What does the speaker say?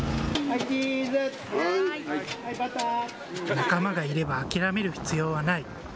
仲間がいれば諦める必要はない。